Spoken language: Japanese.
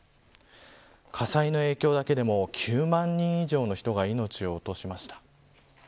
火災の影響だけでも９万人以上の人が命を落としました。